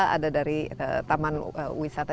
ada dari taman wisata